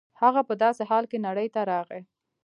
هغه په داسې حال کې نړۍ ته راغی.